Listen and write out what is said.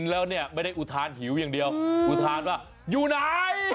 แล้วเนี่ยไม่ได้อุทานหิวอย่างเดียวอุทานว่าอยู่ไหน